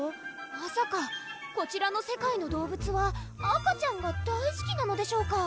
まさかこちらの世界の動物は赤ちゃんが大すきなのでしょうか